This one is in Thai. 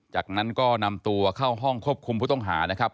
จากนั้นก็นำตัวเข้าห้องควบคุมผู้ต้องหานะครับ